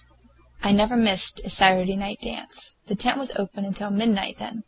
I never missed a Saturday night dance. The tent was open until midnight then.